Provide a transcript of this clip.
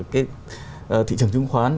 cái thị trường chứng khoán